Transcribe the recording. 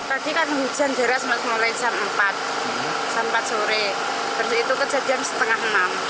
tadi kan hujan deras mulai jam empat sore terus itu kejadian setengah enam